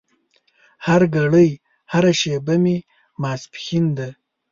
هرګړۍ هره شېبه مې ماسپښين ده